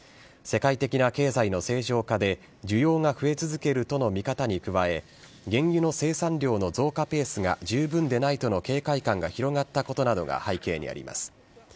世界的な経済の正常化で、需要が増え続けるとの見方に加え、原油の生産量の増加ペースが十分でないとの警戒感が広がったことなどが背景にあります。